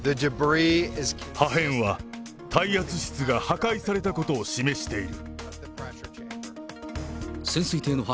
破片は耐圧室が破壊されたことを示している。